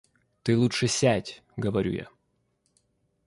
Ты лучше сядь, — говорю я.